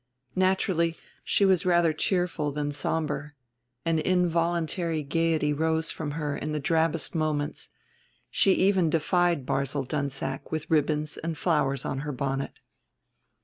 Naturally she was rather cheerful than somber, an involuntary gayety rose from her in the drabbest moments; she even defied Barzil Dunsack with ribbons and flowers on her bonnet.